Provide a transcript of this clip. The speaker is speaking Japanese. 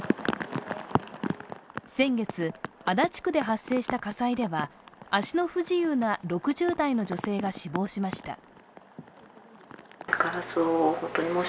先月、足立区で発生した火災では足の不自由な６０代の女性が死亡しました。